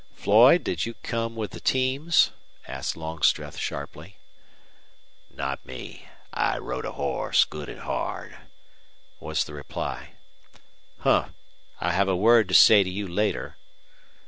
"Floyd, did you come with the teams?" asked Longstreth, sharply. "Not me. I rode a horse, good and hard," was the reply. "Humph! I'll have a word to say to you later."